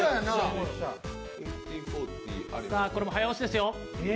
これも早押しですよ。